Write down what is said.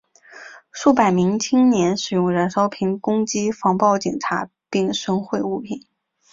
数百名青年使用燃烧瓶攻击防暴警察并损毁物品。